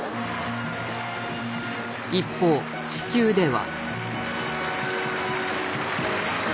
一方地球では。